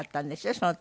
その時。